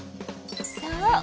そう。